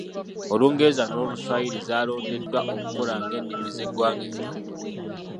Olungereza n'Oluswayiri zaalondebwa okukola nga ennimi z'eggwanga entongole.